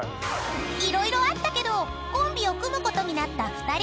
［色々あったけどコンビを組むことになった２人］